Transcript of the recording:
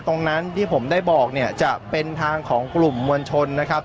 ตรงนั้นที่ผมได้บอกเนี่ยจะเป็นทางของกลุ่มมวลชนนะครับ